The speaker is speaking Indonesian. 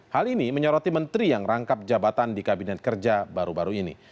hal ini menyoroti menteri yang rangkap jabatan di kabinet kerja baru baru ini